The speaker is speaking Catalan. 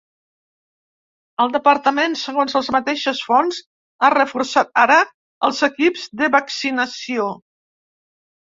El departament, segons les mateixes fonts, ha reforçat ara els equips de vaccinació.